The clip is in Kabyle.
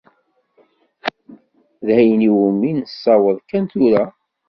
D ayen iwumi nessaweḍ kan tura.